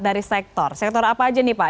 dari sektor sektor apa aja nih pak